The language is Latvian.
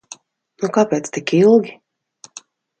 Nu kāpēc tik ilgi?